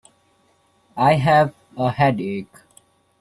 I have a headache.